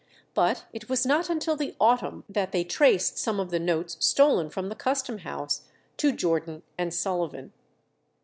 But it was not until the autumn that they traced some of the notes stolen from the Custom House to Jordan and Sullivan.